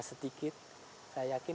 sedikit saya yakin